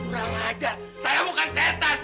kurang ajar saya bukan setan